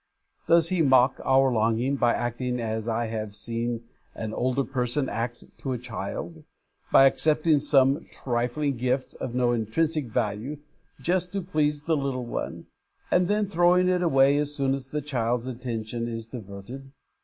Does He mock our longing by acting as I have seen an older person act to a child, by accepting some trifling gift of no intrinsic value, just to please the little one, and then throwing it away as soon as the child's attention is diverted?